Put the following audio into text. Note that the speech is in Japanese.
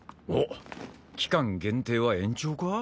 おっ！期間限定は延長か？